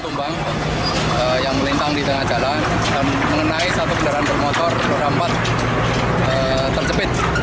mengenai satu kendaraan bermotor dua rampat terjepit